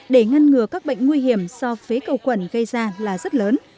để ngăn ngừa các bệnh nguy hiểm do phế cầu quẩn gây ra là rất lớn